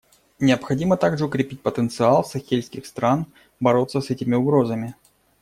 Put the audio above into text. Необходимо также укрепить потенциал сахельских стран бороться с этими угрозами.